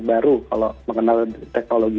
baru kalau mengenal teknologi